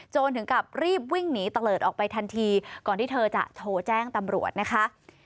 ถึงกับรีบวิ่งหนีตะเลิศออกไปทันทีก่อนที่เธอจะโทรแจ้งตำรวจนะคะ